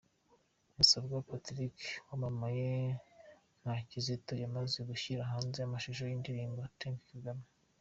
Musabwa Patrick wamamaye nka Kitiko yamaze gushyira hanze amashusho y’indirimbo ‘Thank you Kagame’.